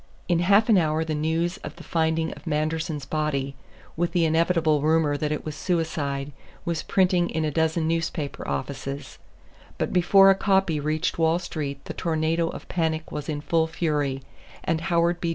In half an hour the news of the finding of Manderson's body, with the inevitable rumor that it was suicide, was printing in a dozen newspaper offices; but before a copy reached Wall Street the tornado of the panic was in full fury, and Howard B.